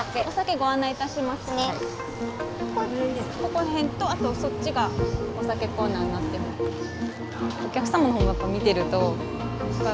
ここら辺とあとそっちがお酒コーナーになってます。